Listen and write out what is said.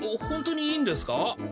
ホントにいいんですか？